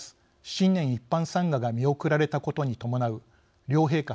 新年一般参賀が見送られたことに伴う両陛下